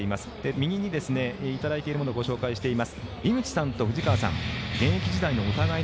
右にいただいてるものご紹介しています。